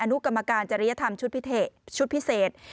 นุกรรมการจริยธรรมชุดพิเศษ